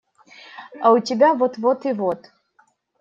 А у тебя – вот… вот… и вот…